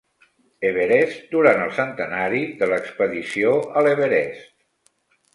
Everest durant el centenari de l'expedició a l'Everest.